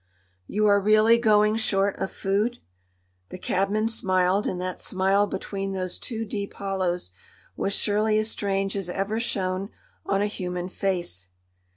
"You are really going short of food?" The cabman smiled; and that smile between those two deep hollows was surely as strange as ever shone on a human face.